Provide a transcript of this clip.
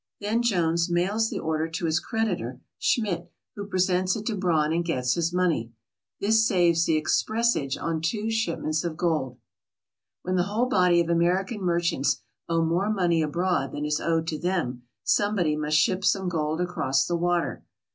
Then Jones mails the order to his creditor, Schmidt, who presents it to Braun and gets his money. This saves the expressage on two shipments of gold. When the whole body of American merchants owe more money abroad than is owed to them, som'ebody must ship some gold across the water.